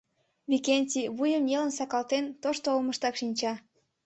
Викентий, вуйым нелын сакалтен, тошто олмыштак шинча.